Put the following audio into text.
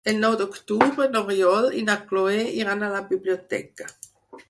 El nou d'octubre n'Oriol i na Cloè iran a la biblioteca.